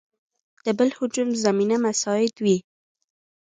د بل هجوم زمینه مساعد وي.